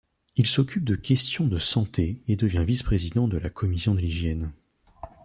Il s'occupe de questions de santé et devient vice-président de la commission de l'hygiène.